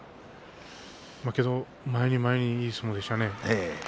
けど前へ前へいい相撲でしたね。